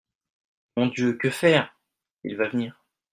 Mon Dieu, que faire !… il va venir.